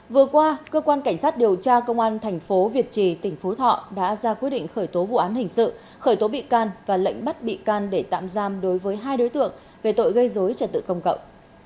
vừa qua cơ quan cảnh sát điều tra công an thành phố việt trì tỉnh phú thọ đã ra quyết định khởi tố vụ án hình sự khởi tố bị can và lệnh bắt bị can để tạm giam đối với hai đối tượng về tội gây dối trật tự công cậu